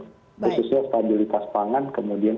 khususnya stabilitas pangan kemudian